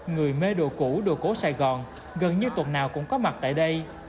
người mê đồ cũ đồ cổ sài gòn gần như tuần nào cũng có mặt tại đây